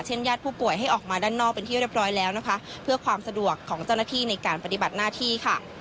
ญาติผู้ป่วยให้ออกมาด้านนอกเป็นที่เรียบร้อยแล้วนะคะเพื่อความสะดวกของเจ้าหน้าที่ในการปฏิบัติหน้าที่ค่ะ